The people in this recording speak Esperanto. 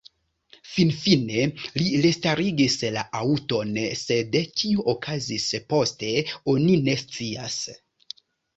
Finfine li restarigis la aŭton, sed kio okazis poste oni ne scias.